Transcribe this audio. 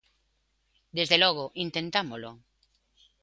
Desde logo, intentámolo.